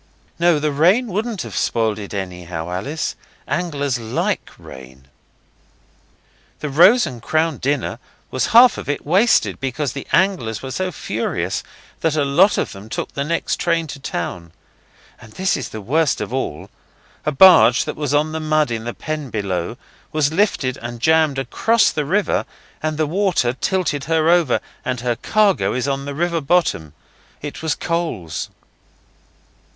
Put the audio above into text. No, the rain wouldn't have spoiled it anyhow, Alice; anglers LIKE rain. The 'Rose and Crown' dinner was half of it wasted because the anglers were so furious that a lot of them took the next train to town. And this is the worst of all a barge, that was on the mud in the pen below, was lifted and jammed across the river and the water tilted her over, and her cargo is on the river bottom. It was coals.